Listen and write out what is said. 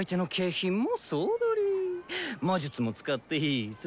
魔術も使っていいぜ。